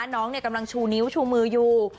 น้องกำลังชูนิ้วชูมืออยู่